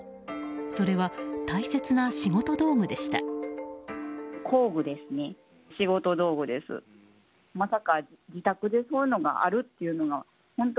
それは、大切な仕事道具でした。